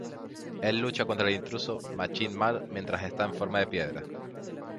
Él lucha contra el intruso Machine Man mientras está en forma de piedra.